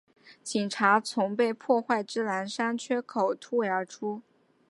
警察从被破坏之栅栏缺口突围而出